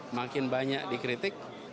makin banyak dikritik